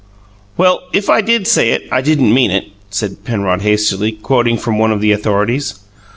"Well, if I did say it I didn't mean it!" said Penrod hastily, quoting from one of the authorities.